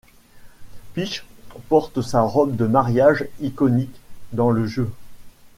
Peach porte sa robe de mariage iconique dans le jeu.